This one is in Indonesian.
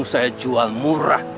saya jual murah